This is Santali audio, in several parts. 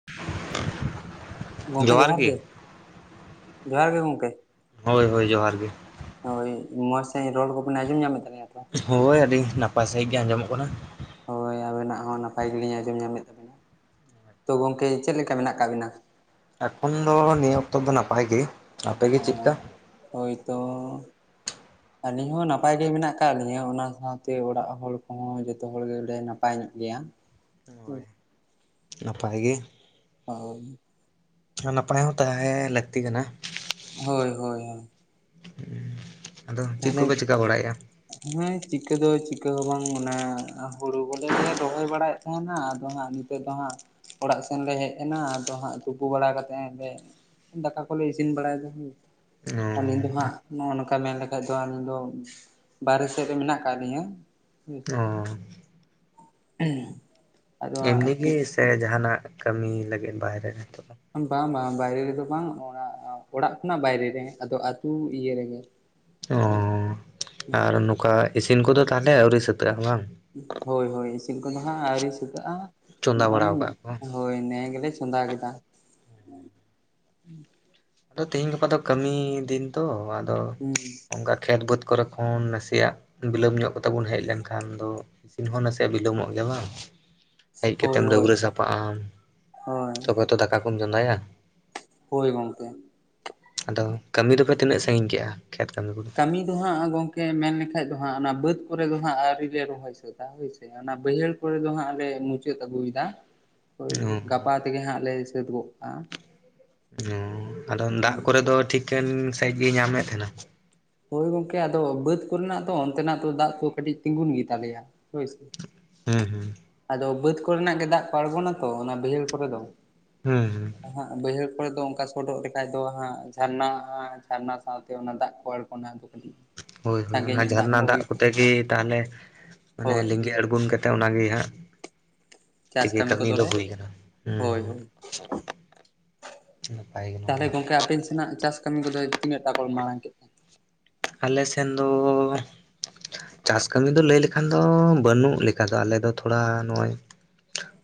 [unintelligible] ᱜᱚᱝᱠᱮ ᱡᱚᱦᱟᱨ ᱜᱮ, ᱡᱚᱦᱟᱨ ᱜᱮ ᱜᱚᱝᱠᱮ᱾ ᱦᱳᱭ ᱦᱳᱭ ᱡᱚᱦᱟᱨ ᱜᱮ᱾ ᱦᱳᱭ ᱢᱚᱡᱽ ᱥᱟᱹᱦᱤᱡ ᱨᱚᱲ ᱠᱚᱵᱤᱱ ᱟᱸᱡᱚᱢ ᱧᱟᱢᱮᱫ ᱛᱟᱞᱤᱧᱟ ᱛᱚ? ᱦᱳᱭ ᱟᱹᱰᱤ ᱱᱟᱯᱟᱭ ᱥᱟᱺᱦᱤᱡ ᱜᱮ ᱟᱸᱡᱚᱢᱚᱜ ᱠᱟᱱᱟ᱾ ᱦᱳᱭ ᱟᱵᱮᱱᱟᱜ ᱦᱚᱸ ᱱᱟᱯᱟᱭ ᱜᱮᱞᱤᱧ ᱟᱸᱡᱚᱢ ᱧᱟᱢᱮᱜ ᱛᱟᱵᱮᱱᱟ᱾ ᱛᱚ ᱜᱚᱝᱠᱮ ᱪᱮᱫ ᱞᱮᱠᱟ ᱢᱮᱱᱟᱜ ᱠᱟᱜ ᱵᱤᱱᱟ? ᱮᱠᱷᱚᱱ ᱫᱚ ᱱᱤᱭᱟᱹ ᱚᱠᱛᱚ ᱫᱚ ᱱᱟᱯᱟᱭ ᱜᱤ᱾ ᱚ ᱦᱳᱭ ᱛᱚ᱾ ᱟᱹᱞᱤᱧ ᱦᱚᱸ ᱱᱟᱯᱟᱭ ᱜᱮ ᱢᱮᱱᱟᱜ ᱠᱟᱜ ᱞᱤᱧᱟᱹ ᱚᱱᱟ ᱥᱟᱶᱛᱮ ᱚᱲᱟᱜ ᱦᱚᱲ ᱠᱚᱦᱚᱸ ᱡᱚᱛᱚ ᱦᱚᱲ ᱜᱮᱞᱮ ᱱᱟᱯᱟᱭ ᱧᱚᱜ ᱜᱮᱭᱟ᱾ ᱦᱳᱭ ᱱᱟᱯᱟᱭ ᱜᱮ᱾ ᱦᱳᱭ᱾ ᱱᱟᱯᱟᱭ ᱦᱚᱸ ᱛᱟᱦᱮᱸ ᱞᱟᱹᱠᱛᱤ ᱠᱟᱱᱟ᱾ ᱦᱳᱭ ᱦᱳᱭ ᱦᱳᱭ᱾ ᱦᱩᱸ ᱟᱫᱚ ᱪᱮᱫ ᱠᱚᱯᱮ ᱪᱤᱠᱟᱹ ᱵᱟᱲᱟᱭᱮᱜᱼᱟ? ᱦᱮᱸ ᱪᱤᱠᱟᱹ ᱫᱚ ᱪᱤᱠᱟᱹ ᱦᱚᱸ ᱵᱟᱝ ᱚᱱᱮ ᱦᱩᱲᱩ ᱠᱚᱞᱮ ᱨᱚᱦᱚᱭ ᱵᱟᱲᱟᱭᱮᱫ ᱛᱟᱦᱮᱱᱟ ᱟᱫᱚ ᱦᱟᱸᱜ ᱱᱤᱛ ᱱᱤᱛᱚᱜ ᱫᱚ ᱦᱟᱸᱜ ᱚᱲᱟᱜ ᱥᱮᱱᱞᱮ ᱦᱮᱡ ᱮᱱᱟ ᱟᱫᱚ ᱦᱟᱸᱜ ᱛᱩᱯᱩ ᱵᱟᱲᱟ ᱠᱟᱛᱮ ᱞᱮ ᱫᱟᱠᱟ ᱠᱚᱞᱮ ᱤᱥᱤᱱ ᱵᱟᱲᱟᱭᱫᱟ᱾ ᱚ᱾ ᱱᱤᱛ ᱫᱚ ᱦᱟᱸᱜ ᱱᱚᱜᱼᱚ ᱱᱚᱝᱠᱟ ᱢᱮᱱ ᱞᱮᱠᱟ ᱠᱷᱟᱡ ᱫᱚ ᱟᱹᱞᱤᱧ ᱫᱚ [unintelligible] ᱥᱮᱫ ᱨᱮ ᱢᱮᱱᱟᱜ ᱟᱠᱟᱜ ᱞᱤᱧᱟ᱾ ᱚᱸ [unintelligible] ᱟᱫᱚ ᱮᱢᱱᱤ ᱜᱮ ᱦᱟᱸᱜ ᱥᱮ ᱡᱟᱦᱟᱱᱟᱜ ᱠᱟᱹᱢᱤ ᱞᱟᱹᱜᱤᱫ ᱵᱟᱭᱨᱮ ᱱᱤᱛᱚᱜ? ᱵᱟᱝ ᱵᱟᱝ ᱵᱟᱭᱨᱮ ᱨᱮᱫᱚ ᱵᱟᱝ ᱚᱲᱟᱜ ᱚᱲᱟᱜ ᱠᱷᱚᱱᱟᱜ ᱵᱟᱭᱨᱮ ᱨᱮ ᱟᱫᱚ ᱟᱹᱛᱩ ᱤᱭᱟᱹ ᱨᱮᱜᱮ᱾ ᱚ ᱟᱨ ᱱᱚᱠᱟ ᱤᱥᱤᱱ ᱠᱚᱫᱚ ᱛᱟᱦᱚᱞᱮ ᱟᱹᱣᱨᱤ ᱥᱟᱹᱛᱟᱹᱜᱼᱟ ᱵᱟᱝ? ᱦᱳᱭ ᱦᱳᱭ ᱤᱥᱤᱱ ᱠᱚᱫᱚ ᱦᱟᱸᱜ ᱟᱹᱣᱨᱤ ᱥᱟᱹᱛᱟᱹᱜᱼᱟ ᱪᱚᱸᱫᱟ ᱱᱚᱜᱼᱚᱭ ᱵᱟᱲᱟ ᱱᱤ ᱟᱠᱟᱫ ᱠᱚ ᱦᱳᱭ ᱱᱮᱜ ᱮ ᱜᱮᱞᱮ ᱪᱚᱸᱫᱟ ᱠᱟᱫᱟ᱾ ᱟᱫᱚ ᱛᱤᱦᱤᱧ ᱜᱟᱯᱟ ᱫᱚ ᱠᱟᱹᱢᱤ ᱫᱤᱱ ᱛᱚ ᱟᱫᱚ ᱦᱩᱸ᱾ ᱚᱝᱠᱟ ᱠᱷᱮᱛ ᱵᱟᱹᱫᱽ ᱠᱚᱨᱮ ᱠᱷᱚᱱ ᱱᱟᱥᱮᱭᱟᱜ ᱵᱤᱞᱟᱹᱢ ᱧᱚᱜ ᱠᱟᱛᱮ ᱵᱚᱱ ᱦᱮᱡ ᱞᱮᱱᱠᱷᱟᱱ ᱫᱚ ᱤᱥᱤᱱ ᱦᱚᱸ ᱱᱟᱥᱮᱭᱟᱜ ᱵᱤᱞᱚᱢᱚᱜ ᱜᱮᱭᱟ ᱵᱟᱝ᱾ ᱦᱮᱡ ᱦᱳᱭ ᱠᱟᱛᱮᱢ ᱦᱳᱭ ᱰᱟᱹᱵᱽᱨᱟᱹ ᱥᱟᱯᱷᱟ ᱟᱢ ᱦᱳᱭ ᱛᱚᱵᱮ ᱛᱚ ᱫᱟᱠᱟ ᱠᱚᱢ ᱪᱚᱸᱫᱟᱭᱟ᱾ ᱦᱳᱭ ᱜᱚᱝᱠᱮ᱾ ᱟᱫᱚ ᱠᱟᱹᱢᱤ ᱫᱚᱯᱮ ᱛᱤᱱᱟᱹᱜ ᱥᱟᱺᱜᱤᱧ ᱠᱮᱜᱼᱟ ᱠᱷᱮᱛ ᱠᱟᱹᱢᱤ ᱠᱚᱫᱚ? ᱫᱚ ᱦᱟᱸᱜ ᱜᱚᱝᱠᱮ ᱢᱮᱱ ᱞᱮᱠᱷᱟᱡ ᱫᱚ ᱦᱟᱸᱜ ᱚᱱᱟ ᱵᱟᱹᱫᱽ ᱠᱚᱨᱮ ᱫᱚ ᱦᱟᱸᱜ ᱟᱹᱣᱨᱤ ᱞᱮ ᱨᱚᱦᱚᱭ ᱥᱟᱹᱛᱟ ᱦᱳᱭᱥᱮ᱾ ᱚᱱᱟ ᱵᱟᱹᱭᱦᱟᱹᱲ ᱠᱚᱨᱮ ᱫᱚ ᱦᱟᱸᱜ ᱞᱮ ᱢᱩᱪᱟᱹᱫ ᱟᱹᱜᱩᱭᱫᱟ᱾ ᱦᱳᱭ ᱚ ᱦᱳᱭ ᱜᱟᱯᱟ ᱛᱮᱜᱮ ᱦᱟᱸᱜ ᱞᱮ ᱥᱟᱹᱛ ᱜᱚᱜ ᱠᱟᱜᱼᱟ᱾ ᱚᱸ ᱟᱫᱚ ᱫᱟᱜ ᱠᱚᱨᱮ ᱫᱚ ᱴᱷᱤᱠᱟᱹᱱ ᱥᱟᱺᱦᱤᱡ ᱜᱮᱭ ᱧᱟᱢᱮᱫ ᱛᱟᱦᱮᱸᱱᱟ? ᱦᱳᱭ ᱜᱚᱝᱠᱮ ᱟᱫᱚ ᱵᱟᱹᱫᱽ ᱠᱚᱨᱮᱱᱟᱜ ᱫᱚ ᱚᱱᱛᱮᱱᱟᱜ ᱫᱚ ᱫᱟᱜ ᱫᱚ ᱠᱟᱹᱴᱤᱡ ᱛᱤᱸᱜᱩᱱ ᱜᱮᱛᱟᱞᱮᱭᱟ ᱦᱳᱭ ᱥᱮ? ᱦᱩᱸ ᱦᱩᱸ᱾ ᱟᱫᱚ ᱵᱟᱹᱫᱽ ᱠᱚᱨᱮᱱᱟᱜ ᱜᱮ ᱫᱟᱜ ᱠᱚ ᱟᱬᱜᱚᱱᱟ ᱛᱚ ᱚᱱᱟ ᱵᱟᱹᱭᱦᱟᱹᱲ ᱠᱚᱨᱮ ᱫᱚ᱾ ᱦᱩᱸ ᱦᱩᱸ᱾ ᱦᱟᱸᱜ ᱵᱟᱹᱭᱦᱟᱹᱲ ᱠᱚᱨᱮ ᱫᱚ ᱚᱱᱠᱟ ᱥᱚᱰᱚᱜ ᱞᱮᱠᱷᱟᱡ ᱫᱚ ᱦᱟᱸᱜ ᱡᱷᱟᱨᱱᱟ ᱟᱸ ᱡᱷᱟᱨᱱᱟ ᱥᱟᱶᱛᱮ ᱚᱱᱟ ᱫᱟᱜ ᱠᱚ ᱟᱲᱜ ᱚᱱᱟ ᱟᱫᱚ ᱠᱟᱹᱴᱤᱡ᱾ ᱦᱳᱭ ᱦᱳᱭ ᱥᱟᱸᱜᱮ ᱚᱱᱟ ᱧᱚᱜ ᱡᱷᱟᱨᱱᱟ ᱠᱚ ᱫᱟᱜ ᱦᱩᱭᱩᱜᱼᱟ ᱠᱚᱛᱮ ᱜᱮ ᱛᱟᱦᱚᱞᱮ ᱢᱟᱱᱮ ᱦᱳᱭ ᱞᱤᱸᱜᱤ ᱟᱬᱜᱳᱱ ᱠᱟᱱᱟ? ᱛᱮ ᱚᱱᱟᱜᱮ ᱦᱟᱸᱜ ᱪᱟᱥ ᱛᱮᱜᱮ ᱠᱟᱹᱢᱤ ᱫᱚ ᱠᱚᱫᱚᱞᱮ ᱦᱩᱭ ᱠᱟᱱᱟ ᱦᱩᱸ ᱦᱩᱸ᱾ ᱱᱟᱯᱟᱭ ᱜᱮ ᱱᱚᱣᱟ ᱛᱟᱦᱞᱮ ᱫᱚ ᱜᱚᱝᱠᱮ ᱟᱯᱮᱱ ᱥᱮᱱᱟᱜ ᱪᱟᱥ ᱠᱟᱹᱢᱤ ᱠᱚᱫᱚ ᱛᱤᱱᱟᱹᱜ ᱴᱟᱜ ᱠᱚᱞ ᱢᱟᱲᱟᱝ ᱠᱮᱫ ᱛᱟᱸᱦᱮ? ᱟᱞᱮ ᱥᱮᱱ ᱫᱚ ᱪᱟᱥ ᱠᱟᱹᱢᱤ ᱫᱚ ᱞᱟᱹᱭ ᱞᱮᱠᱷᱟᱱ ᱫᱚ ᱵᱟᱹᱱᱩᱜ ᱞᱮᱠᱟ ᱫᱚ ᱟᱞᱮ ᱫᱚ ᱛᱷᱚᱲᱟ ᱱᱚᱜᱼᱚᱭ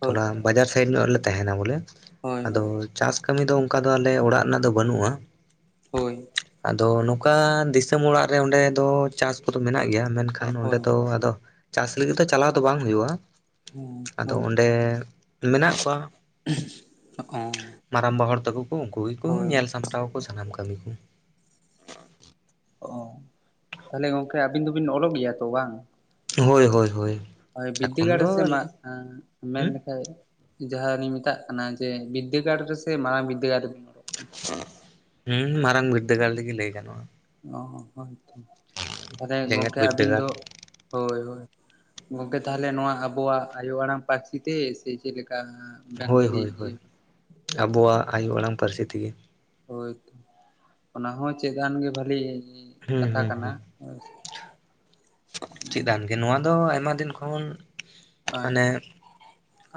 ᱦᱳᱭ ᱛᱷᱚᱲᱟ ᱵᱟᱡᱟᱨ ᱥᱟᱭᱤᱰ ᱧᱚᱜ ᱨᱮᱞᱮ ᱛᱟᱦᱮᱱᱟ ᱵᱚᱞᱮ, ᱦᱳᱭ ᱟᱫᱚ ᱪᱟᱥ ᱠᱟᱹᱢᱤ ᱫᱚ ᱚᱱᱠᱟ ᱫᱚ ᱟᱞᱮ ᱚᱲᱟᱜ ᱨᱮᱱᱟᱜ ᱫᱚ ᱵᱟᱹᱱᱩᱜᱼᱟ᱾ ᱦᱳᱭ᱾ ᱟᱫᱚ ᱱᱚᱝᱠᱟ ᱫᱤᱥᱚᱢ ᱚᱲᱟᱜ ᱨᱮ ᱚᱸᱰᱮ ᱫᱚ ᱪᱟᱥ ᱠᱚᱫᱚ ᱢᱮᱱᱟᱜ ᱜᱮᱭᱟ ᱢᱮᱱᱠᱷᱟᱱ ᱠᱷᱟᱱ ᱚᱸᱰᱮ ᱦᱳᱭ ᱫᱚ ᱟᱫᱚ ᱪᱟᱥ ᱞᱟᱹᱜᱤᱫ ᱫᱚ ᱪᱟᱞᱟᱣ ᱫᱚ ᱵᱟᱝ ᱦᱩᱭᱩᱜᱼᱟ᱾ ᱟᱫᱚ ᱦᱳᱭ ᱚᱸᱰᱮ ᱢᱮᱱᱟᱜ ᱠᱚᱣᱟ᱾ ᱦᱟᱸᱜ-ᱚ᱾ ᱢᱟᱨᱟᱝᱵᱟ ᱦᱚᱲ ᱛᱟᱠᱚ ᱠᱚ ᱩᱱᱠᱩ ᱜᱮᱠᱚ ᱧᱮᱞ ᱥᱟᱢᱴᱟᱣ ᱟᱠᱚ ᱥᱟᱱᱟᱢ ᱠᱟᱹᱢᱤ ᱠᱩ᱾ ᱚ, ᱛᱟᱦᱚᱞᱮ ᱜᱚᱢᱠᱮ ᱟᱹᱵᱤᱱ ᱫᱚᱵᱤᱱ ᱚᱞᱚᱜ ᱜᱮᱭᱟ ᱛᱚ ᱵᱟᱝ? ᱦᱳᱭ ᱦᱳᱭ ᱦᱳᱭ᱾ ᱦᱳᱭ ᱮᱠᱷᱚᱱ ᱵᱤᱫᱽᱫᱟᱹᱜᱟᱲ ᱫᱚ ᱨᱮ ᱥᱮ ᱢᱟᱜ ᱟᱹᱞᱤᱧ ᱮᱸᱜ ᱢᱮᱱ ᱦᱩᱸ ᱞᱮᱠᱷᱟᱡ ᱡᱟᱦᱟᱸ ᱞᱤᱧ ᱢᱮᱛᱟᱜ ᱠᱟᱱᱟ ᱡᱮ ᱵᱤᱫᱽᱫᱟᱹᱜᱟᱲ ᱨᱮᱥᱮ ᱢᱟᱨᱟᱝ ᱵᱤᱫᱽᱫᱟᱹᱜᱟᱲ ᱨᱮᱵᱤᱲ ᱦᱩᱸ ᱢᱟᱨᱟᱝ ᱵᱤᱨᱫᱟᱹᱜᱟᱲ ᱞᱟᱹᱜᱤ ᱞᱟᱹᱭ ᱜᱟᱱᱚᱜᱼᱟ᱾ ᱚ ᱦᱳᱭ ᱛᱚ, ᱛᱟᱦᱞᱮ ᱡᱮᱜᱮᱛ ᱜᱚᱢᱠᱮ ᱟᱹᱵᱤᱱ ᱵᱤᱨᱫᱟᱹᱜᱟᱲ ᱫᱚ ᱦᱳᱭ ᱦᱳᱭ ᱜᱚᱝᱠᱮ ᱛᱟᱦᱚᱞᱮ ᱱᱚᱣᱟ ᱟᱵᱚᱣᱟᱜ ᱟᱭᱳ ᱟᱲᱟᱝ ᱯᱟᱨᱥᱤ ᱛᱮ ᱥᱮ ᱪᱮᱫ ᱞᱮᱠᱟ? ᱦᱳᱭ ᱵᱮᱝᱜᱚᱞᱤ ᱦᱳᱭ ᱤᱭᱟᱹ ᱦᱳᱭ ᱟᱵᱚᱣᱟᱜ ᱟᱭᱳ ᱟᱲᱟᱝ ᱯᱟᱨᱥᱤ ᱛᱮᱜᱮ᱾ ᱦᱳᱭ ᱛᱚ ᱚᱱᱟ ᱦᱚᱸ ᱪᱮᱫ-ᱟᱱ ᱜᱮ ᱵᱷᱟᱞᱤ ᱦᱩᱸ ᱠᱟᱛᱷᱟ ᱦᱩᱸ ᱠᱟᱱᱟ ᱦᱩᱸ [unintelligible] ᱪᱮᱫ-ᱟᱱ ᱜᱮ ᱱᱚᱣᱟ ᱫᱚ ᱟᱭᱢᱟ ᱫᱤᱱ ᱠᱷᱚᱱ ᱢᱟᱱᱮ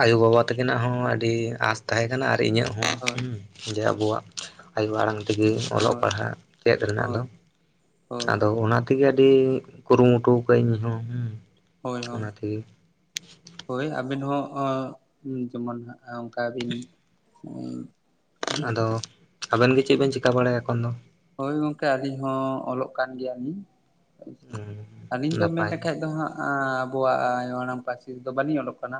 ᱟᱭᱳᱼᱵᱟᱵᱟ ᱛᱟᱹᱠᱤᱱᱟᱜ ᱦᱚᱸ ᱟᱹᱰᱤ ᱟᱸᱥ ᱛᱟᱦᱮᱸ ᱠᱟᱱᱟ ᱟᱨ ᱤᱧᱟᱹᱜ ᱦᱚᱸ ᱦᱳᱭ ᱦᱩᱸ᱾ ᱡᱮ ᱟᱵᱚᱣᱟᱜ ᱟᱭᱳ ᱟᱲᱟᱝ ᱛᱮᱜᱮ ᱚᱞᱚᱜ ᱦᱳᱭ ᱯᱟᱲᱦᱟᱜ ᱪᱮᱫ ᱨᱮᱱᱟᱜ ᱫᱚ, ᱦᱳᱭ ᱟᱫᱚ ᱦᱳᱭ ᱚᱱᱟ ᱛᱮᱜᱮ ᱟᱹᱰᱤ ᱠᱩᱨᱩᱢᱩᱴᱩ ᱠᱟᱜ-ᱤᱧ ᱤᱧ ᱦᱩᱸ᱾ ᱦᱳᱭ ᱦᱳᱭ ᱚᱱᱟ ᱛᱮᱜᱮ ᱦᱳᱭ ᱟᱵᱮᱱ ᱦᱚᱸ ᱟᱺᱜ ᱡᱮᱢᱚᱱ ᱦᱷᱟᱸᱜ ᱮᱸ ᱚᱱᱠᱟ ᱵᱤᱱ ᱩᱸᱜᱷ ᱟᱫᱚ ᱟᱵᱮᱱ ᱜᱮ ᱪᱮᱜ ᱵᱮᱱ ᱪᱮᱠᱟ ᱵᱟᱲᱟᱭᱟ ᱮᱠᱷᱚᱱ ᱫᱚ? ᱦᱳᱭ ᱜᱚᱝᱠᱮ ᱟᱹᱞᱤᱧ ᱦᱚᱸ ᱚᱞᱚᱜ ᱠᱟᱱ ᱜᱮᱭᱟᱞᱤᱧ᱾ ᱟᱪᱷᱟ ᱟᱹᱞᱤᱧ ᱫᱚ ᱢᱮᱱ ᱱᱟᱯᱟᱭ ᱞᱮᱠᱷᱟᱡ ᱫᱚ ᱦᱟᱸᱜ ᱟᱸ ᱟᱵᱚᱣᱟᱜ ᱟᱭᱳ ᱟᱲᱟᱝ ᱯᱟᱨᱥᱤ ᱛᱮ ᱫᱚ ᱵᱞᱤᱧ ᱚᱞᱚᱜ ᱠᱟᱱᱟ,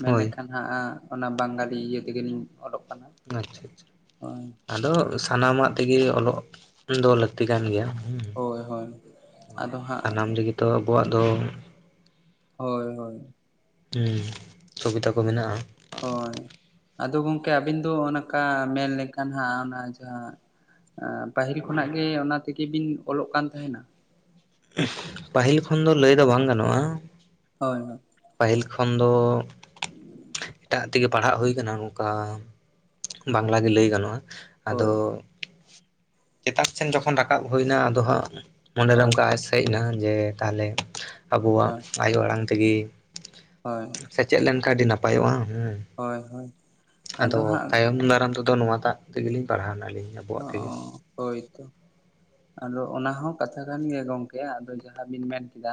ᱢᱮᱱ ᱦᱳᱭ ᱞᱮᱠᱷᱟᱱ ᱱᱦᱟᱜ-ᱟ ᱚᱱᱟ ᱵᱟᱝᱜᱟᱞᱤ ᱤᱭᱟᱹ ᱛᱮᱜᱮ ᱞᱤᱧ ᱚᱞᱚᱜ ᱠᱟᱱᱟ᱾ ᱟᱪᱪᱷᱟ ᱟᱪᱪᱷᱟ ᱦᱳᱭ ᱟᱫᱚ ᱥᱟᱱᱟᱢᱟᱜ ᱛᱮᱜᱮ ᱚᱞᱚᱜ ᱫᱚ ᱞᱟᱹᱠᱛᱤ ᱠᱟᱱ ᱜᱮᱭᱟ᱾ ᱦᱩᱸ᱾ ᱦᱳᱭ ᱦᱳᱭ ᱟᱫᱚ ᱦᱟᱸᱜ ᱥᱟᱱᱟᱢ ᱨᱮᱜᱮ ᱛᱚ ᱟᱵᱚᱣᱟᱜ ᱫᱚ ᱦᱳᱭ ᱦᱳᱭ᱾ ᱦᱩᱸ ᱥᱩᱵᱤᱛᱟ ᱠᱚ ᱢᱮᱱᱟᱜᱼᱟ᱾ ᱦᱳᱭ, ᱟᱫᱚ ᱜᱚᱝᱠᱮ ᱟᱹᱵᱤᱱ ᱫᱚ ᱱᱚᱠᱟ ᱢᱮᱱ ᱞᱮᱠᱷᱟᱱ ᱦᱟᱸᱜ ᱚᱱᱟ ᱡᱟᱦᱟᱸ ᱟᱸ ᱯᱟᱹᱦᱤᱞ ᱠᱷᱚᱱᱟᱜ ᱜᱮ ᱚᱱᱟ ᱛᱮᱜᱮ ᱵᱤᱱ ᱚᱞᱚᱜ ᱠᱟᱱ ᱛᱟᱦᱮᱸᱱᱟ? ᱯᱟᱹᱦᱤᱞ ᱠᱷᱚᱱ ᱫᱚ ᱞᱟᱹᱭ ᱫᱚ ᱵᱟᱝ ᱜᱟᱱᱚᱜᱼᱟ᱾ ᱦᱳᱭ ᱦᱳᱭ᱾ ᱯᱟᱹᱦᱤᱞ ᱠᱷᱚᱱ ᱫᱚ, [inaudible] ᱮᱴᱟᱜ ᱛᱮᱜᱮ ᱯᱟᱲᱦᱟᱜ ᱦᱩᱭ ᱠᱟᱱᱟ, ᱱᱚᱝᱠᱟ ᱵᱟᱝᱞᱟ ᱜᱮ ᱞᱟᱹᱭ ᱜᱟᱱᱚᱜᱼᱟ᱾ ᱟᱫᱚ ᱦᱳᱭ ᱪᱮᱛᱟᱱ ᱥᱮᱱ ᱡᱚᱠᱷᱚᱱ ᱨᱟᱠᱟᱵ ᱦᱩᱭᱱᱟ, ᱟᱫᱚ ᱦᱟᱸᱜ ᱢᱚᱱᱮᱨᱮ ᱦᱳᱭ ᱚᱱᱠᱟ ᱦᱮᱜ ᱱᱟ ᱡᱮ ᱛᱟᱦᱚᱞᱮ ᱟᱵᱚᱣᱟᱜ ᱦᱳᱭ ᱟᱭᱳ ᱟᱲᱟᱝ ᱛᱮᱜᱮ ᱦᱳᱭ, ᱥᱮᱪᱮᱫ ᱞᱮᱱ ᱠᱷᱟᱱ ᱟᱹᱰᱤ ᱱᱟᱯᱟᱭᱚᱜᱼᱟ᱾ ᱦᱩᱸ ᱦᱳᱭ ᱦᱳᱭ ᱟᱫᱚ ᱛᱟᱭᱚᱢ ᱫᱟᱨᱟᱢ ᱫᱚ ᱟᱫᱚ ᱱᱚᱣᱟ ᱴᱟᱜ ᱛᱮ ᱜᱮᱞᱤᱧ ᱯᱟᱲᱦᱟᱣᱱᱟ ᱟᱹᱞᱤᱧ ᱦᱚᱸᱯ᱾ ᱚᱸ ᱦᱳᱭᱛᱚ, ᱟᱫᱚ ᱚᱱᱟᱦᱚᱸ ᱠᱟᱛᱷᱟ ᱠᱟᱱ ᱜᱮᱭᱟ ᱜᱚᱝᱠᱮ, ᱟᱫᱚ ᱡᱟᱦᱟᱸ ᱵᱤᱱ ᱢᱮᱱ ᱠᱮᱫᱟ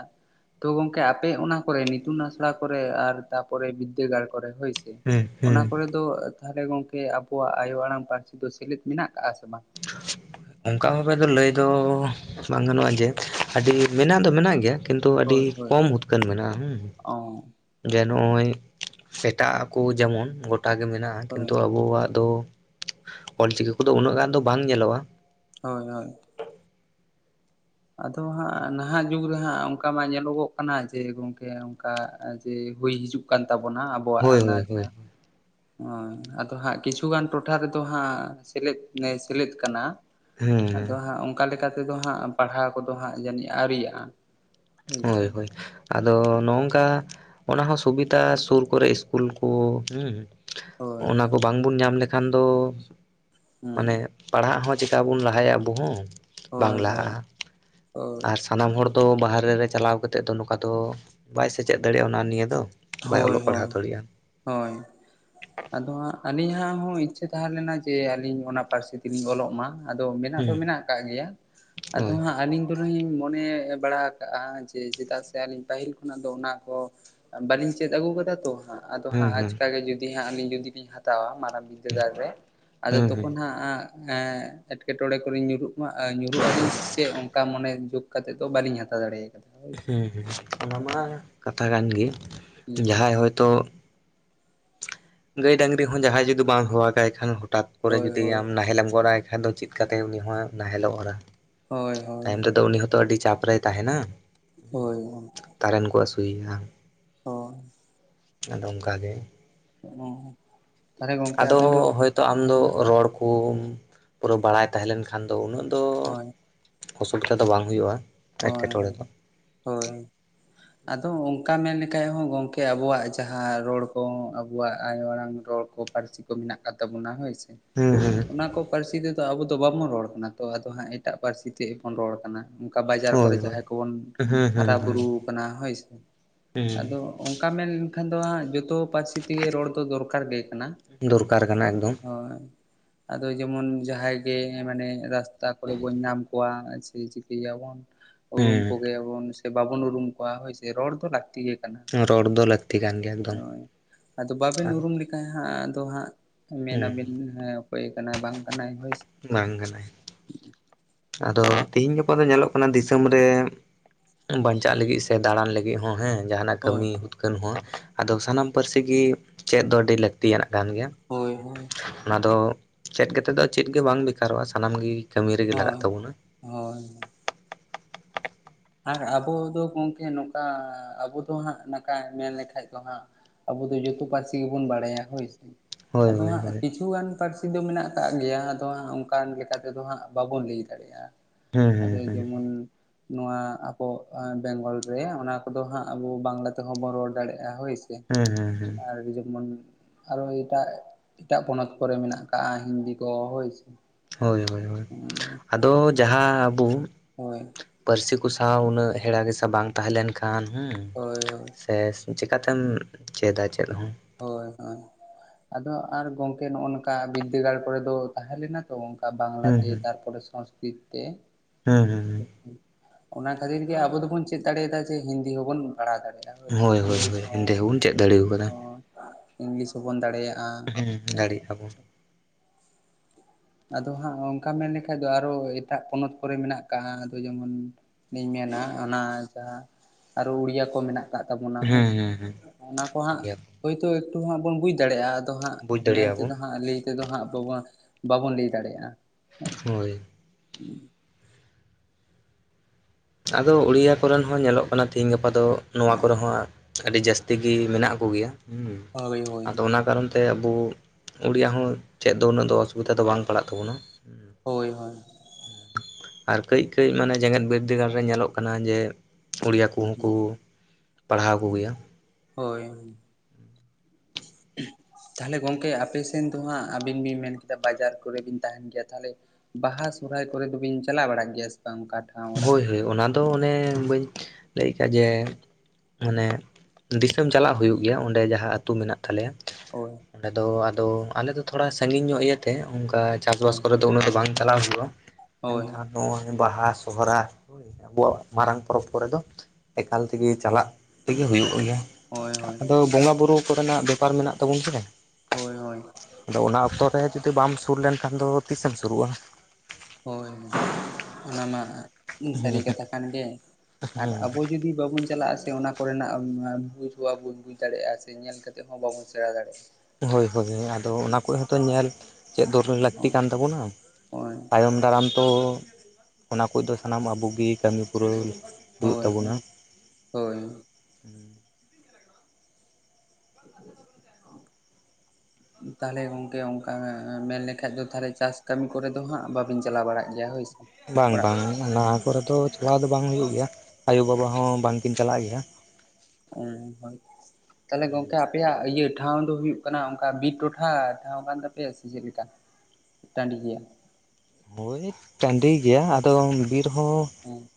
ᱛᱚ ᱜᱚᱝᱠᱮ ᱟᱯᱮ ᱚᱱᱟ ᱠᱚᱨᱮ ᱱᱤᱛᱩᱱ ᱟᱥᱲᱟ ᱠᱚᱨᱮ ᱟᱨ ᱛᱟᱯᱚᱨᱮ ᱵᱤᱫᱽᱫᱟᱹᱜᱟᱲ ᱠᱚᱨᱮ ᱦᱳᱭ ᱥᱮ ᱦᱩᱸ ᱚᱱᱟ ᱦᱩᱸ ᱠᱚᱨᱮ ᱫᱚ ᱛᱟᱦᱚᱞᱮ ᱜᱚᱝᱠᱮ ᱟᱵᱚᱣᱟᱜ ᱟᱭᱳ ᱟᱲᱟᱝ ᱯᱟᱹᱨᱥᱤ ᱫᱚ ᱥᱮᱞᱮᱫ ᱢᱮᱱᱟᱜ ᱟᱠᱟᱜᱼᱟ ᱥᱮ ᱵᱟᱝ? [inaudible] ᱚᱝᱠᱟ ᱵᱷᱟᱵᱮ ᱫᱚ ᱞᱟᱹᱭ ᱫᱚ ᱵᱟᱝ ᱜᱟᱱᱚᱜᱼᱟ ᱡᱮ, ᱟᱹᱰᱤ ᱢᱮᱱᱟᱜ ᱫᱚ ᱢᱮᱱᱟᱜ ᱜᱮᱭᱟ᱾ ᱠᱤᱱᱛᱩ ᱟᱹᱰᱤ ᱦᱳᱭ ᱦᱳᱭ ᱠᱚᱢ ᱩᱫᱽᱜᱟᱹᱱ ᱢᱮᱱᱟᱜᱼᱟ ᱦᱩᱸ᱾ ᱚ ᱡᱮ ᱱᱚᱜᱼᱚᱭ ᱥᱮᱴᱟᱜ ᱠᱚ ᱡᱮᱢᱚᱱ ᱜᱚᱴᱟ ᱜᱮ ᱢᱮᱱᱟᱜᱼᱟ᱾ ᱦᱳᱭ ᱠᱤᱱᱛᱩ ᱟᱵᱚᱣᱟᱜ ᱫᱚ ᱚᱞ ᱪᱤᱠᱤ ᱠᱚᱫᱚ ᱩᱱᱟᱹᱜ ᱜᱟᱱ ᱫᱚ ᱵᱟᱝ ᱧᱮᱞᱚᱜᱼᱟ᱾ ᱦᱳᱭ ᱦᱳᱭ᱾ ᱟᱫᱚ ᱦᱟᱸᱜ ᱱᱟᱦᱟᱸᱜ ᱡᱩᱜᱽ ᱨᱮ ᱦᱟᱸᱜ ᱚᱝᱠᱟ ᱢᱟ ᱧᱮᱞᱚᱜᱚᱜ ᱠᱟᱱᱟ, ᱡᱮ ᱜᱚᱝᱠᱮ ᱚᱝᱠᱟ ᱡᱮ ᱦᱩᱭ ᱦᱤᱡᱩᱜ ᱠᱟᱱ ᱛᱟᱵᱚᱱᱟ, ᱟᱵᱚᱣᱟᱜ ᱦᱳᱭ ᱚᱱᱟ ᱦᱳᱭ ᱦᱳᱭ ᱡᱟᱦᱟᱸ ᱦᱳᱭ, ᱟᱫᱚ ᱦᱟᱸᱜ ᱠᱤᱪᱷᱩ ᱜᱟᱱ ᱴᱚᱴᱷᱟ ᱨᱮᱫᱚ ᱦᱟᱸᱜ ᱥᱮᱞᱮᱫ ᱮ ᱥᱮᱞᱮᱫ ᱠᱟᱱᱟ᱾ ᱟᱫᱚ ᱦᱮᱸ ᱦᱟᱸᱜ ᱚᱝᱠᱟ ᱞᱮᱠᱟ ᱛᱮᱫᱚ ᱦᱟᱸᱜ ᱯᱟᱲᱦᱟᱣ ᱠᱚᱫᱚ ᱦᱟᱸᱜ ᱡᱟᱹᱱᱤᱜ ᱟᱹᱣᱨᱤᱭᱟᱜᱼᱟ᱾ ᱦᱳᱭ ᱦᱳᱭ᱾ ᱟᱫᱚ ᱱᱚᱝᱠᱟ ᱚᱱᱟ ᱦᱚᱸ ᱥᱩᱵᱤᱛᱟ ᱥᱩᱨ ᱠᱚᱨᱮ ᱤᱥᱠᱩᱞ ᱠᱚ ᱦᱩᱸ᱾ ᱦᱳᱭ ᱚᱱᱟ ᱠᱚ ᱵᱟᱝ ᱵᱚᱱ ᱧᱟᱢ ᱞᱮᱠᱷᱟᱱ ᱫᱚ ᱦᱩᱸ ᱢᱟᱱᱮ ᱯᱟᱲᱦᱟᱜ ᱦᱚᱸ ᱪᱤᱠᱟᱵᱚᱱ ᱞᱟᱦᱟᱭᱟ ᱟᱵᱚ ᱦᱚᱸ ᱵᱟᱝ ᱦᱳᱭ ᱦᱳᱭ ᱞᱟᱦᱟᱜᱼᱟ, ᱦᱳᱭ ᱟᱨ ᱥᱟᱱᱟᱢ ᱦᱚᱲ ᱫᱚ ᱵᱟᱦᱨᱮ ᱨᱮ ᱪᱟᱞᱟᱣ ᱠᱟ ᱠᱟᱛᱮᱜ ᱫᱚ ᱱᱚᱝᱠᱟ ᱫᱚ ᱵᱟᱭ ᱥᱮᱪᱮᱫ ᱫᱟᱲᱮᱭᱟᱜᱼᱟ ᱚᱱᱟ ᱱᱤᱭᱟᱹ ᱫᱚ᱾ ᱵᱟᱭ ᱦᱳᱭ ᱚᱞᱚᱜ ᱯᱟᱲᱦᱟᱣ ᱦᱳᱭ ᱫᱟᱲᱮᱭᱟᱜᱼᱟ ᱦᱳᱭ ᱟᱫᱚ ᱦᱟᱸᱜ ᱟᱹᱞᱤᱧᱟᱜ ᱦᱚᱸ ᱤᱪᱪᱷᱟᱹ ᱛᱟᱦᱮᱸ ᱞᱮᱱᱟ, ᱡᱮ ᱟᱹᱞᱤᱧ ᱚᱱᱟ ᱯᱟᱹᱨᱥᱤ ᱛᱮᱞᱤᱧ ᱚᱞᱚᱜ ᱢᱟ᱾ ᱟᱫᱚ ᱢᱮᱱᱟᱜ ᱫᱚ ᱦᱩᱸ ᱢᱮᱱᱟᱜ ᱟᱠᱟᱜ ᱜᱮᱭᱟ, ᱟᱫᱚ ᱦᱳᱭ ᱦᱟᱸᱜ ᱟᱹᱞᱤᱧ [unintelligible] ᱨᱮᱞᱤᱧ ᱢᱚᱱᱮ ᱵᱟᱲᱟ ᱟᱠᱟᱜᱼᱟ ᱡᱮ ᱪᱮᱫᱟᱜ ᱥᱮ ᱟᱹᱞᱤᱧ ᱯᱟᱹᱦᱤᱞ ᱠᱷᱚᱱᱟᱜ ᱫᱚ ᱚᱱᱟ ᱠᱚ ᱵᱟᱹᱞᱤᱧ ᱪᱮᱫ ᱟᱹᱜᱩ ᱠᱟᱫᱟ ᱛᱚ ᱦᱟᱸᱜ ᱟᱫᱚ ᱦᱩᱸ ᱦᱟᱸᱜ ᱦᱩᱸ ᱟᱪᱠᱟ ᱜᱮ ᱡᱩᱫᱤ ᱦᱟᱸᱜ ᱟᱹᱞᱤᱧ ᱡᱩᱫᱤ ᱞᱤᱧ ᱦᱟᱛᱟᱣᱟ ᱢᱟ [unintelligible] ᱵᱤᱫᱽᱫᱟᱹᱜᱟᱹᱲ ᱨᱮ ᱟᱫᱚ ᱦᱩᱸ ᱦᱩᱸ ᱛᱚᱠᱷᱚᱱ ᱦᱟᱸᱜ ᱮᱸ ᱮᱸᱴᱠᱮᱴᱚᱬᱮ ᱠᱚᱨᱮᱧ ᱧᱩᱨᱩᱜ ᱢᱟ ᱧᱩᱨᱩᱜ ᱟᱹᱞᱤᱧ ᱦᱳᱭ ᱥᱮ ᱚᱱᱠᱟ ᱢᱚᱱᱮ ᱡᱩᱠ ᱠᱟᱛᱮᱜ ᱫᱚ ᱵᱟᱹᱞᱤᱧ ᱦᱟᱛᱟᱣ ᱫᱟᱲᱮᱭ ᱠᱟᱫᱟ᱾ ᱦᱩᱸ ᱦᱩᱸ ᱚᱱᱟ ᱢᱟ ᱠᱟᱛᱷᱟ ᱠᱟᱱ ᱜᱮ, ᱡᱟᱦᱟᱸᱭ ᱦᱚᱭᱛᱚ ᱜᱟᱹᱭ ᱰᱟᱝᱨᱤ ᱦᱚᱸ ᱡᱟᱦᱟᱸᱭ ᱡᱩᱫᱤ ᱵᱟᱢ ᱦᱮᱣᱟ ᱠᱟᱭ ᱠᱷᱟᱱ ᱦᱚᱴᱟᱛ ᱠᱚᱨᱮ ᱦᱳᱭ ᱡᱩᱫᱤ ᱦᱳᱭ ᱟᱢ ᱱᱟᱦᱮᱞᱮᱢ ᱜᱚᱜᱼᱟᱭ ᱮᱱᱠᱷᱟᱱ ᱫᱚ ᱪᱮᱫ ᱠᱟᱛᱮᱜ ᱩᱱᱤ ᱦᱚᱸ ᱱᱟᱦᱮᱞᱚᱜ ᱚᱨᱟ, ᱦᱳᱭ ᱦᱳᱭ ᱛᱟᱭᱚᱢ ᱨᱮ ᱫᱚ ᱩᱱᱤ ᱦᱚᱸᱛᱚ ᱟᱹᱰᱤ ᱪᱟᱯ ᱨᱮᱭ ᱛᱟᱦᱮᱸᱱᱟ᱾ ᱦᱳᱭ ᱜᱚᱝᱠᱮ ᱾ ᱛᱟᱨᱮᱱ ᱠᱚ ᱦᱟᱥᱩᱭᱮᱭᱟ ᱦᱟᱝ᱾ ᱦᱳᱭ ᱾ ᱟᱫᱚ ᱚᱝᱠᱟ ᱜᱮ ᱾ ᱚ ᱟᱫᱚ ᱦᱳᱭᱛᱚ ᱟᱢ ᱫᱚ ᱢᱟ ᱨᱚᱲ ᱠᱚᱢ ᱯᱩᱨᱟᱹ ᱵᱟᱲᱟᱭ ᱛᱟᱦᱮᱸ ᱞᱮᱱ ᱠᱷᱟᱱ ᱫᱚ ᱩᱱᱟᱹᱜ ᱫᱚ ᱦᱳᱭ ᱾ ᱚᱥᱩᱵᱤᱫᱷᱟ ᱫᱚ ᱵᱟᱝ ᱦᱩᱭᱩᱜ-ᱟ ᱾ ᱦᱳᱭ ᱦᱳᱭ ᱦᱳᱭ ᱾ ᱟᱫᱚ ᱚᱝᱠᱟ ᱢᱮᱱ ᱞᱮᱠᱷᱟᱡ ᱦᱚᱸ ᱜᱚᱝᱠᱮ ᱟᱵᱚᱣᱟᱜ ᱡᱟᱦᱟᱸ ᱨᱚᱲ ᱠᱚ ᱟᱵᱚᱣᱟᱜ ᱟᱭᱳ ᱟᱲᱟᱝ ᱨᱚᱲ ᱠᱚ ᱯᱟᱹᱨᱥᱤ ᱠᱚ ᱢᱮᱱᱟᱜ ᱠᱟᱫ ᱛᱟᱵᱚᱱᱟ ᱦᱳᱭ ᱥᱮ᱾ ᱦᱩᱸ ᱦᱩᱸ ᱾ ᱚᱱᱟ ᱠᱚ ᱯᱟᱹᱨᱥᱤ ᱛᱮᱫᱚ ᱟᱵᱚᱫᱚ ᱵᱟᱵᱚᱱ ᱨᱚᱲ ᱠᱟᱱᱟ, ᱛᱚ ᱟᱫᱚ ᱦᱟᱸᱜ ᱮᱴᱟᱜ ᱯᱟᱹᱨᱥᱤ ᱛᱮ ᱵᱚᱱ ᱨᱚᱲ ᱠᱟᱱᱟ᱾ ᱠᱟ ᱵᱟᱡᱟᱨ ᱠᱚᱨᱮ ᱦᱳᱭ ᱦᱳᱭ ᱡᱟᱦᱟᱸᱭ ᱠᱚᱵᱚᱱ ᱦᱩᱸ ᱦᱩᱸ ᱦᱟᱨᱟ ᱦᱩᱸ ᱵᱩᱨᱩ ᱠᱟᱱᱟ ᱦᱳᱭ ᱥᱮ ᱟᱫᱚ ᱦᱩᱸ ᱚᱝᱠᱟ ᱢᱮᱱ ᱞᱮᱱᱠᱷᱟᱱ ᱫᱚ ᱦᱟᱸᱜ ᱡᱚᱛᱚ ᱯᱟᱹᱨᱥᱤ ᱛᱮᱜᱮ ᱨᱚᱲ ᱫᱚ ᱫᱚᱨᱠᱟᱨ ᱜᱮ ᱠᱟᱱᱟ᱾ ᱫᱚᱨᱠᱟᱨ ᱠᱟᱱᱟ ᱮᱠᱫᱚᱢ᱾ ᱦᱳᱭ ᱟᱫᱚ ᱡᱮᱢᱚᱱ ᱡᱟᱦᱟᱸᱭ ᱜᱮ ᱢᱟᱱᱮ ᱨᱟᱥᱛᱟ ᱠᱚᱨᱮ ᱵᱚᱱ ᱧᱟᱢ ᱠᱚᱣᱟ, ᱪᱷᱤ ᱪᱷᱤ ᱭᱟᱵᱚᱱ ᱩᱨᱩᱢ ᱦᱩᱸ ᱠᱚᱜᱮᱭᱟᱵᱚᱱ ᱥᱮ ᱵᱟᱵᱚᱱ ᱩᱨᱩᱢ ᱠᱚᱣᱟ ᱦᱳᱭ ᱥᱮ ᱨᱚᱲ ᱫᱚ ᱞᱟᱹᱠᱛᱤ ᱜᱮ ᱠᱟᱱᱟ ᱨᱚᱲ ᱫᱚ ᱞᱟᱹᱠᱛᱤ ᱠᱟᱱ ᱜᱮᱭᱟ ᱮᱠᱫᱚᱢ ᱦᱳᱭ ᱟᱫᱚ ᱵᱟᱵᱤᱱ ᱩᱨᱩᱢ ᱞᱮ ᱦᱟᱸᱜ ᱟᱫᱚ ᱦᱟᱸᱜ ᱦᱩᱸ ᱢᱮᱱᱟᱵᱤᱱ ᱦᱮᱸ ᱚᱠᱚᱭ ᱠᱟᱱᱟᱭ ᱵᱟᱝ ᱠᱟᱱᱟᱭ ᱦᱳᱭ ᱥᱮ ᱾ ᱵᱟᱝ ᱠᱟᱱᱟᱭ᱾ ᱟᱫᱚ ᱛᱤᱦᱤᱧ ᱜᱟᱯᱟ ᱫᱚ ᱧᱮᱞᱚᱜ ᱠᱟᱱᱟ ᱫᱤᱥᱚᱢ ᱨᱮ ᱵᱟᱧᱪᱟᱜ ᱞᱤᱜᱤᱫ ᱥᱮ ᱫᱟᱬᱟᱱ ᱞᱤᱜ ᱜᱤᱫ ᱦᱚᱸ ᱦᱮᱸ ᱡᱟᱦᱟᱱᱟᱜ ᱦᱳᱭ ᱠᱟᱹᱢᱤ ᱠᱟᱹᱱ ᱦᱚᱸ ᱟᱫᱚ ᱥᱟᱱᱟᱢ ᱯᱟᱹᱨᱥᱤ ᱜᱮ ᱪᱮᱫ ᱫᱚ ᱟᱹᱰᱤ ᱞᱟᱹᱠᱛᱤᱭᱟᱱᱟᱜ ᱠᱟᱱ ᱜᱮᱭᱟ ᱦᱳᱭ ᱦᱩᱸ᱾ ᱦᱳᱭ ᱚᱱᱟ ᱫᱚ ᱪᱮᱫ ᱠᱟᱛᱮᱫ ᱫᱚ ᱪᱮᱫ ᱜᱮ ᱵᱟᱝ ᱵᱮᱠᱟᱨᱚᱜ-ᱟ ᱥᱟᱱᱟᱢ ᱜᱮ ᱠᱟᱹᱢᱤ ᱨᱮᱜᱮ ᱞᱟᱜᱟᱜ ᱦᱳᱭ ᱛᱟᱵᱚᱱᱟ ᱦᱳᱭ ᱾ ᱟᱨ ᱟᱵᱚ ᱫᱚ ᱜᱚᱝᱠᱮ ᱱᱚᱝᱠᱟ ᱟᱵᱚ ᱫᱚ ᱦᱟᱸᱜ ᱱᱟᱜᱠᱟᱭ ᱢᱮᱱ ᱞᱮᱠᱷᱟᱡ ᱫᱚ ᱦᱟᱸᱜ ᱟᱵᱚ ᱫᱚ ᱡᱚᱛᱚ ᱯᱟᱹᱨᱥᱤ ᱜᱮᱵᱚᱱ ᱵᱟᱲᱟᱭᱟ ᱦᱳᱭ ᱥᱮ ᱦᱳᱭ ᱟᱫᱚ ᱦᱳᱭ ᱦᱟᱸᱜ ᱦᱳᱭ ᱠᱤᱪᱷᱩᱜᱟᱱ ᱯᱟᱹᱨᱥᱤ ᱫᱚ ᱢᱮᱱᱟᱜ ᱟᱠᱟᱜ ᱜᱮᱭᱟ ᱟᱫᱚ ᱦᱟᱸᱜ ᱚᱝᱠᱟ ᱞᱮᱠᱟ ᱛᱮᱫᱚ ᱦᱟᱸᱜ ᱵᱟᱵᱚᱱ ᱞᱟᱹᱭ ᱫᱟᱲᱮᱭᱟᱜ-ᱟ᱾ ᱦᱩᱸ ᱦᱩᱸ ᱟᱫᱚ ᱦᱩᱸ ᱡᱮᱢᱚᱱ ᱱᱚᱣᱟ ᱟᱵᱚ ᱵᱮᱝᱜᱚᱞ ᱨᱮ ᱚᱱᱟ ᱠᱚᱫᱚ ᱦᱟᱸᱜ ᱟᱵᱚ ᱵᱟᱝᱞᱟ ᱛᱮᱦᱚᱸ ᱵᱚᱱ ᱨᱚᱲ ᱫᱟᱲᱮᱜ-ᱟ ᱦᱳᱭ ᱦᱩᱸ ᱦᱩᱸ ᱦᱩᱸ ᱟᱨ ᱡᱚᱢᱚᱱ ᱟᱨᱚ ᱮᱴᱟᱜ ᱮᱴᱟᱜ ᱯᱚᱱᱚᱛ ᱠᱚᱨᱮ ᱢᱮᱱᱟᱜ ᱠᱟᱜᱟ ᱦᱤᱱᱫᱤ ᱠᱚ ᱦᱳᱭ ᱥᱮ᱾ ᱦᱳᱭ ᱦᱳᱭ ᱦᱳᱭ ᱟᱫᱚ ᱡᱟᱦᱟᱸ ᱟᱵᱚ ᱦᱳᱭ ᱯᱟᱹᱨᱥᱤ ᱠᱚ ᱥᱟᱶ ᱩᱱᱟᱹᱜ ᱦᱮᱲᱟ ᱜᱮᱥᱟ ᱵᱟᱝ ᱛᱟᱦᱮᱸ ᱞᱮᱱᱠᱷᱟᱱ ᱦᱩᱸ ᱦᱳᱭ ᱦᱳᱭ ᱥᱮ ᱪᱮᱠᱟᱛᱮᱢ ᱪᱮᱫᱟ ᱪᱮᱫ ᱦᱚᱸ᱾ ᱦᱳᱭ ᱦᱳᱭ ᱟᱫᱚ ᱟᱨ ᱜᱚᱝᱠᱮ ᱱᱚᱜᱚ ᱱᱚᱝᱠᱟ ᱵᱤᱨᱫᱟᱹᱜᱟᱲ ᱠᱚᱨᱮ ᱫᱚ ᱛᱟᱦᱮᱸ ᱞᱮᱱᱟ ᱛᱚ ᱵᱟᱝᱞᱟ ᱦᱩᱸ ᱛᱮ ᱦᱩᱸ ᱛᱟᱨᱯᱚᱨᱮ ᱥᱚᱥᱠᱨᱤᱛ ᱛᱮ᱾ ᱦᱩᱸ ᱦᱩᱸ ᱦᱩᱸ᱾ ᱚᱱᱟ ᱠᱷᱟᱹᱛᱤᱨ ᱜᱮ ᱟᱵᱚ ᱫᱚᱵᱚᱱ ᱪᱮᱫ ᱫᱟᱲᱮᱭᱟᱫᱟ ᱡᱮ ᱦᱤᱱᱫᱤ ᱦᱚᱸᱵᱚᱱ ᱯᱟᱲᱦᱟᱣ ᱫᱟᱲᱮᱭᱟᱜ-ᱟ᱾ ᱦᱳᱭ ᱦᱳᱭ ᱦᱳᱭ ᱦᱤᱱᱫᱤ ᱦᱚᱸᱵᱚᱱ ᱪᱮᱫ ᱫᱟᱲᱮᱣ ᱠᱟᱫᱟ᱾ ᱤᱝᱜᱞᱤᱥ ᱦᱚᱸᱵᱚᱱ ᱫᱟᱲᱮᱭᱟᱜ-ᱟ᱾ ᱦᱩᱸ ᱫᱟᱲᱮᱭᱟᱜ-ᱟ ᱵᱚᱱ᱾ ᱟᱫᱚ ᱦᱟᱸᱜ ᱚᱝᱠᱟ ᱢᱮᱱ ᱞᱮᱠᱷᱟᱡ ᱫᱚ ᱟᱨᱦᱚᱸ ᱮᱴᱟᱜ ᱯᱚᱱᱚᱛ ᱠᱚᱨᱮ ᱢᱮᱱᱟᱜ ᱠᱟᱜᱟ ᱟᱫᱚ ᱡᱚᱢᱚᱱ ᱤᱧ ᱢᱮᱱᱟ ᱚᱱᱟ ᱡᱟᱦᱟᱸ ᱟᱨᱦᱚ ᱩᱲᱤᱭᱟ ᱠᱚ ᱢᱮᱱᱟᱜ ᱢᱮᱱᱟᱜ ᱠᱟᱜ ᱛᱚᱵᱚᱱᱟ ᱦᱚᱭ ᱦᱮᱸ ᱥᱮ ᱦᱮᱸ ᱦᱮᱸ ᱚᱱᱟᱠᱚ ᱦᱟᱜ ᱩᱲᱤᱭᱟ ᱦᱚᱭ ᱛᱚ ᱮᱠᱴᱩ ᱦᱟᱜ ᱵᱚᱱ ᱵᱩᱡ ᱫᱟᱲᱮᱭᱟᱜᱼᱟ ᱟᱫ ᱟᱫᱚ ᱦᱟᱸᱜ ᱵᱩᱡᱽ ᱢᱮᱱ ᱫᱟᱲᱮᱭᱟᱜᱼᱟ ᱵᱚᱱ ᱛᱮᱫᱚ ᱦᱟᱸᱜ ᱞᱟᱹᱭ ᱛᱮᱫᱚ ᱦᱟᱸᱜ ᱵᱟᱵᱚᱱ ᱞᱟᱹᱭ ᱫᱟᱲᱮᱭᱟᱜᱼᱟ᱾ ᱦᱳᱭ [unintelligible] ᱟᱫᱚ ᱩᱲᱤᱭᱟ ᱠᱚᱨᱮᱱ ᱦᱚᱸ ᱧᱮᱞᱚᱜ ᱠᱟᱱᱟ ᱛᱮᱦᱤᱧ ᱜᱟᱯᱟ ᱫᱚ ᱱᱚᱣᱟ ᱠᱚᱨᱮ ᱦᱚᱸ ᱟᱹᱰᱤ ᱡᱟᱹᱥᱛᱤ ᱜᱮ ᱢᱮᱱᱟᱜ ᱠᱚᱜᱮᱭᱟ ᱦᱮᱸ ᱦᱳᱭ ᱦᱳᱭ ᱟᱫᱚ ᱚᱱᱟ ᱠᱟᱨᱚᱱ ᱛᱮ ᱟᱵᱚ ᱩᱲᱤᱭᱟ ᱦᱚᱸ ᱪᱮᱫ ᱫᱚ ᱩᱱᱟᱹᱜ ᱫᱚ ᱚᱥᱩᱵᱤᱫᱷᱟ ᱫᱚ ᱵᱟᱝ ᱯᱟᱲᱟᱜ ᱛᱟᱵᱚᱱᱟ᱾ ᱦᱳᱭ ᱦᱳᱭ ᱟᱨ ᱠᱟᱹᱡᱼᱠᱟᱹᱡ ᱢᱟᱱᱮ ᱡᱮᱜᱮᱛ ᱵᱤᱨᱫᱟᱹᱜᱟᱲ ᱨᱮ ᱧᱮᱞᱚᱜ ᱠᱟᱱᱟ ᱡᱮ ᱩᱲᱤᱭᱟ ᱠᱚ ᱩᱱᱠᱩ ᱯᱟᱲᱦᱟᱣ ᱠᱚᱜᱮᱭᱟ᱾ ᱦᱳᱭ [unintelligible] ᱛᱟᱦᱚᱞᱮ ᱜᱚᱢᱠᱮ ᱟᱯᱮ ᱥᱮᱱ ᱫᱚ ᱦᱟᱸᱜ ᱟᱹᱵᱤᱱ ᱵᱤᱱ ᱢᱮᱱ ᱠᱮᱫᱟ ᱵᱟᱡᱟᱨ ᱠᱚᱨᱮ ᱵᱤᱱ ᱛᱟᱦᱮᱱ ᱜᱮᱭᱟ ᱛᱟᱦᱞᱮ᱾ ᱵᱟᱦᱟ ᱥᱚᱦᱨᱟᱭ ᱠᱚᱨᱮ ᱫᱚᱵᱮᱱ ᱪᱟᱞᱟᱣ ᱵᱟᱲᱟᱜ ᱜᱮᱭᱟ ᱥᱮ ᱵᱟᱝ ᱚᱱᱠᱟ ᱫᱚ? ᱴᱷᱟᱶ ᱚᱲᱟᱜ ᱦᱚᱭ ᱦᱚᱭ ᱚᱱᱟᱫᱚ ᱚᱱᱮ ᱵᱟᱹᱧ ᱞᱟᱹᱭ ᱠᱮᱜ ᱟ ᱡᱮ ᱢᱟᱱᱮ ᱫᱤᱥᱚᱢ ᱪᱟᱞᱟᱜ ᱦᱩᱭᱩᱜ ᱜᱮᱭᱟ ᱚᱸᱰᱮ ᱡᱟᱦᱟᱸ ᱟᱹᱛᱩ ᱢᱮᱱᱟᱜ ᱛᱟᱞᱮᱭᱟ ᱦᱳᱭ ᱚᱸᱰᱮ ᱫᱚ ᱟᱞᱮ ᱫᱚ ᱛᱷᱚᱲᱟ ᱥᱟᱜᱤᱧ ᱧᱚᱜ ᱤᱭᱟᱹᱛᱮ ᱚᱱᱠᱟ ᱪᱟᱥᱵᱟᱥ ᱦᱳᱭ ᱠᱚᱨᱮ ᱫᱚ ᱛᱚ ᱩᱱᱟᱹᱜ ᱫᱚ ᱵᱟᱝ ᱪᱟᱞᱟᱣ ᱦᱩᱭᱩᱜᱼᱟ ᱦᱳᱭ ᱢᱮᱱᱠᱷᱟᱱ ᱱᱚᱜᱼᱚᱭ ᱵᱟᱦᱟ ᱥᱚᱦᱚᱨᱟᱭ ᱟᱵᱚᱣᱟᱜ ᱢᱟᱨᱟᱝ ᱯᱚᱨᱚᱵᱽ ᱠᱚᱨᱮ ᱫᱚ ᱮᱠᱟᱞ ᱛᱮᱜᱮ ᱪᱟᱞᱟᱜ ᱛᱮᱜᱮ ᱦᱩᱭᱩᱜ ᱜᱮᱭᱟ᱾ ᱦᱳᱭ ᱦᱳᱭ ᱟᱯᱮ ᱫᱚ ᱵᱚᱸᱜᱟ ᱵᱩᱨᱩ ᱠᱚᱨᱮᱱᱟᱜ ᱵᱮᱯᱟᱨ ᱢᱮᱱᱟᱜ ᱛᱟᱵᱚᱱ ᱛᱮ ᱦᱳᱭ ᱦᱳᱭ ᱟᱫᱚ ᱚᱱᱟ ᱚᱠᱛᱚ ᱨᱮ ᱡᱩᱫᱤ ᱵᱟᱢ ᱥᱩᱨ ᱞᱮᱱᱠᱷᱟᱱ ᱫᱚ ᱛᱤᱥᱮᱢ ᱥᱩᱨᱩᱜᱼᱟ ᱦᱳᱭ ᱚᱱᱟ ᱢᱟ ᱥᱟᱹᱨᱤ ᱠᱟᱛᱷᱟ ᱠᱟᱱ ᱜᱮ ᱟᱨ ᱦᱩᱸ ᱟᱵᱚ ᱡᱩᱫᱤ ᱵᱟᱵᱚᱱ ᱪᱟᱞᱟᱜᱼᱟ ᱥᱮ ᱚᱱᱟ ᱠᱚᱨᱮᱱᱟᱜ ᱵᱩᱡᱽ ᱦᱚᱸ ᱵᱟᱵᱚ ᱵᱩᱡᱽ ᱫᱟᱲᱮᱭᱟᱜᱼᱟ ᱥᱮ ᱧᱮᱞ ᱠᱟᱛᱮ ᱦᱚᱸ ᱵᱟᱵᱚᱱ ᱥᱮᱬᱟ ᱫᱟᱲᱮᱭᱟᱜᱼᱟ᱾ ᱦᱳᱭ ᱦᱳᱭ ᱟᱫᱚ ᱚᱱᱟ ᱠᱚ ᱨᱮ ᱦᱚᱸᱛᱚ ᱧᱮᱞ ᱪᱮᱫ ᱫᱚᱦᱚ ᱞᱟᱹᱠᱛᱤ ᱠᱟᱱ ᱛᱟᱵᱚᱱᱟ ᱦᱳᱭ ᱛᱟᱭᱚᱢ ᱫᱟᱨᱟᱢ ᱛᱚ ᱚᱱᱟ ᱠᱚᱫᱚ ᱥᱟᱱᱟᱢ ᱟᱵᱚᱜᱮ ᱠᱟᱹᱢᱤ ᱯᱩᱨᱟᱹᱣ ᱦᱩᱭᱩᱜ ᱦᱳᱭ ᱦᱳᱭ [inaudible] ᱦᱳᱭ ᱦᱮᱸ ᱛᱟᱦᱚᱞᱮ ᱜᱚᱝᱠᱮ ᱚᱱᱠᱟ ᱢᱮᱱᱞᱮᱠᱷᱟᱡ ᱫᱚ ᱛᱟᱦᱚᱞᱮ ᱪᱟᱥ ᱠᱟᱹᱢᱤ ᱠᱚᱨᱮ ᱫᱚ ᱦᱟᱸᱜ ᱵᱟᱵᱤᱱ ᱪᱟᱞᱟᱣ ᱵᱟᱲᱟᱜ ᱜᱮᱭᱟ ᱦᱳᱭᱥᱮ ᱵᱟᱝ ᱵᱟᱝ ᱱᱚᱣᱟ ᱠᱚᱨᱮ ᱫᱚ ᱪᱟᱞᱟᱣ ᱫᱚ ᱵᱟᱝ ᱦᱩᱭᱩᱜ ᱜᱮᱭᱟ ᱟᱭᱳ ᱵᱟᱵᱟ ᱦᱚᱸ ᱵᱟᱝᱠᱤᱱ ᱪᱟᱞᱟᱜ ᱜᱮᱭᱟ᱾ ᱳ ᱛᱟᱦᱚᱞᱮ ᱜᱚᱝᱠᱮ ᱟᱯᱮᱭᱟᱜ ᱤᱭᱟᱹ ᱴᱷᱟᱶ ᱫᱚ ᱦᱩᱭᱩᱜ ᱠᱟᱱᱟ ᱚᱱᱠᱟ ᱵᱤᱨ ᱴᱚᱴᱷᱟ ᱴᱷᱟᱶ ᱠᱟᱱ ᱛᱟᱯᱮᱭᱟ ᱥᱮ ᱪᱮᱫ ᱞᱮᱠᱟ? ᱴᱟᱺᱰᱤ ᱜᱮᱭᱟ ᱦᱳᱭ ᱴᱟᱺᱰᱤ ᱜᱮᱭᱟ ᱟᱫᱚ ᱵᱤᱨ ᱦᱚᱸ ᱦᱮᱸ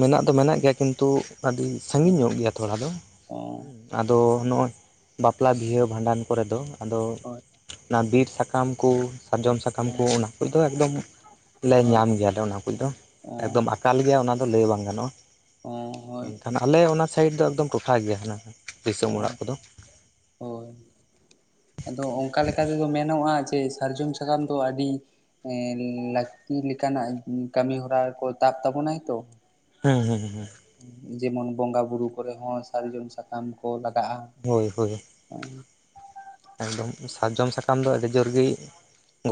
ᱢᱮᱱᱟᱜ ᱫᱚ ᱢᱮᱱᱟᱜ ᱜᱮᱭᱟ ᱠᱤᱱᱛᱩ ᱟᱹᱰᱤ ᱥᱟᱜᱤᱧ ᱧᱚᱜ ᱜᱮᱭᱟ ᱛᱷᱚᱲᱟ ᱫᱚ ᱚ ᱟᱫᱚ ᱱᱚᱜᱼᱚᱭ ᱵᱟᱯᱞᱟ ᱵᱤᱦᱟᱹ ᱵᱷᱟᱸᱰᱟᱱ ᱠᱚᱨᱮ ᱫᱚ ᱟᱫᱚ ᱦᱳᱭ ᱚᱱᱟ ᱵᱤᱨ ᱥᱟᱠᱟᱢ ᱠᱩ ᱥᱟᱨᱡᱚᱢ ᱥᱟᱠᱟᱢ ᱥᱟᱠᱟᱢ ᱠᱚ ᱦᱳᱭ ᱚᱱᱟ ᱠᱚᱫᱚ ᱮᱠᱫᱚᱢ ᱞᱮ ᱧᱟᱢ ᱜᱮᱭᱟ ᱚᱱᱟ ᱠᱚᱫᱚ ᱮᱠᱫᱚᱢ ᱦᱳᱭ ᱟᱠᱟᱞ ᱜᱮᱭᱟ ᱞᱟᱹᱭ ᱵᱟᱝ ᱜᱟᱱᱚᱜᱼᱟ ᱦᱳᱭᱛᱚ ᱦᱳᱭ ᱛᱚ ᱢᱮᱱᱠᱷᱟᱱ ᱟᱞᱮ ᱚᱱᱟ ᱥᱟᱭᱤᱰ ᱫᱚ ᱮᱠᱫᱚᱢ ᱴᱚᱴᱷᱟ ᱜᱮᱭᱟ ᱦᱟᱱᱟ ᱫᱤᱥᱚᱢ ᱚ ᱚᱲᱟᱜ ᱠᱚᱫᱚ? ᱦᱳᱭ ᱟᱫᱚ ᱚᱱᱠᱟ ᱞᱮᱠᱟ ᱛᱮᱫᱚ ᱢᱮᱱᱚᱜᱼᱟ ᱡᱮ ᱥᱟᱨᱡᱚᱢ ᱥᱟᱠᱟᱢ ᱫᱚ ᱟᱹᱰᱤ ᱞᱟᱹᱠᱛᱤ ᱞᱮᱠᱟᱱᱟᱜ ᱠᱟᱹᱢᱤ ᱦᱚᱨᱟ ᱠᱚ ᱛᱟᱵ ᱛᱟᱵᱚᱱᱟᱭ ᱛᱚ ᱦᱮᱸ ᱦᱮᱸ ᱦᱮᱸ ᱦᱮ᱾ ᱡᱮᱢᱚᱱ ᱵᱚᱸᱜᱟ ᱵᱩᱨᱩ ᱠᱚᱨᱮ ᱦᱚᱸ ᱥᱟᱨᱡᱚᱢ ᱥᱟᱠᱟᱢ ᱠᱚ ᱞᱟᱜᱟᱜᱼᱟ᱾ ᱦᱳᱭ ᱦᱳᱭ ᱚᱸ ᱮᱠᱫᱚᱢ ᱥᱟᱨᱡᱚᱢ ᱥᱟᱠᱟᱢ ᱫᱚ ᱟᱹᱰᱤ ᱡᱳᱨ ᱜᱤᱭ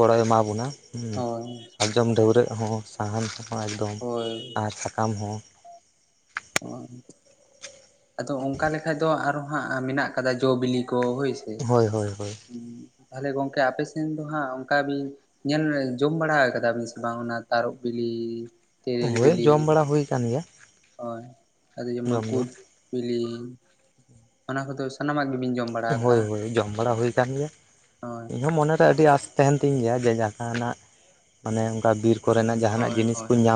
ᱜᱚᱲᱚᱭ ᱮᱢᱟ ᱵᱚᱱᱟ ᱦᱩᱸ ᱦᱳᱭ [unintelligible] ᱡᱚᱢ ᱰᱟᱹᱣᱨᱟᱹᱜ ᱦᱚᱸ ᱥᱟᱦᱟᱱ ᱥᱟᱞᱟᱢ ᱮᱠᱫᱚᱢ ᱦᱳᱭ ᱟᱨ ᱥᱟᱠᱟᱢ ᱦᱚᱸ᱾ ᱚ ᱟᱫᱚ ᱚᱱᱠᱟ ᱞᱮᱠᱟ ᱫᱚ ᱟᱨᱚ ᱦᱟᱸᱜ ᱢᱮᱱᱟᱜ ᱠᱟᱫᱟ ᱡᱚᱼᱵᱤᱞᱤ᱾ ᱠᱚ ᱦᱳᱭ ᱥᱮ ᱦᱳᱭ ᱦᱳᱭ ᱦᱳᱭ ᱛᱟᱦᱟᱞᱮ ᱜᱚᱝᱠᱮ ᱟᱯᱮᱥᱱ ᱫᱚ ᱦᱟᱸᱜ ᱚᱱᱠᱟ ᱵᱤᱱ, ᱧᱮᱞᱢᱮ ᱡᱚᱢ ᱵᱟᱲᱟ ᱠᱟᱫᱟᱵᱤᱱ ᱥᱮ ᱵᱟᱝ ᱚᱱᱟ ᱛᱟᱨᱚᱵ ᱵᱤᱞᱤ ᱛᱮᱨᱮᱞ ᱦᱳᱭ ᱵᱤᱞᱤ? ᱡᱚᱢ ᱵᱟᱲᱟ ᱦᱩᱭ ᱟᱠᱟᱱ ᱜᱮᱭᱟ᱾ ᱦᱳᱭ ᱟᱫᱚ ᱡᱚᱢᱚᱱ ᱡᱚᱢ ᱫᱚ ᱠᱩᱫ ᱵᱤᱞᱤ ᱚᱱᱟ ᱠᱚᱫᱚ ᱥᱟᱱᱟᱢᱟᱜ ᱜᱮᱵᱤᱱ ᱡᱚᱢ ᱵᱟᱲᱟ ᱟᱠᱟᱜᱼᱟ ᱦᱳᱭ ᱦᱳᱭ ᱡᱚᱢ ᱵᱟᱲᱟ ᱦᱩᱭ ᱠᱟᱱ ᱜᱮᱭᱟ ᱦᱳᱭ ᱤᱧ ᱦᱚᱸ ᱢᱚᱱᱮᱨᱮ ᱟᱹᱰᱤ ᱟᱥ ᱛᱟᱦᱮᱱ ᱛᱤᱧ ᱜᱮᱭᱟ ᱡᱮ ᱡᱟᱠᱟᱱᱟᱜ ᱢᱟᱱᱮ ᱚᱱᱠᱟ ᱵᱤᱨ ᱠᱚᱨᱮᱱᱟᱜ ᱡᱟᱦᱟᱱᱟᱜ ᱦᱳᱭ ᱡᱤᱱ ᱦᱳᱭ ᱠᱩᱧ ᱧᱟᱢ